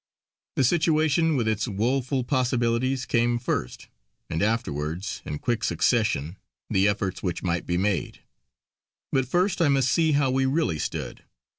The situation with its woeful possibilities came first; and afterwards, in quick succession, the efforts which might be made. But first I must see how we really stood.